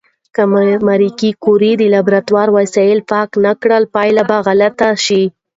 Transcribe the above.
که ماري کوري د لابراتوار وسایل پاک نه کړي، پایله به غلطه شي.